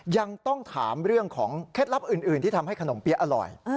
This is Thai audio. ยังต้องถามเรื่องของเคล็ดลับอื่นที่ทำให้ขนมเปี๊ยะอร่อย